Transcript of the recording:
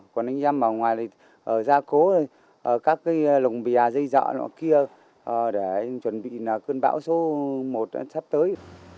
còn anh em ở ngoài ra cố các lồng bìa di rời kia để chuẩn bị cơn bão số một sắp tới